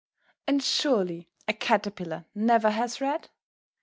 And surely a Caterpillar never has read?